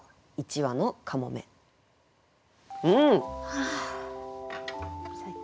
はあ最高。